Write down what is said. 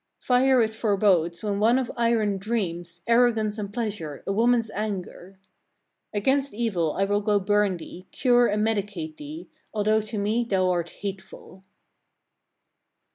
38. "Fire it forebodes, when one of iron dreams, arrogance and pleasure, a woman's anger. Against evil I will go burn thee, cure and medicate thee, although to me thou art hateful."